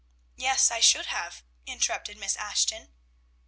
"Yes, I should have," interrupted Miss Ashton.